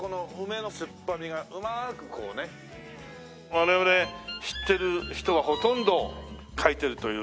我々知ってる人はほとんど書いてるという。